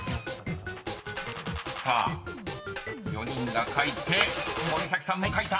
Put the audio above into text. ［さあ４人が書いて森崎さんも書いた。